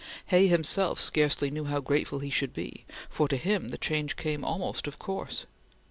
Hay himself scarcely knew how grateful he should be, for to him the change came almost of course.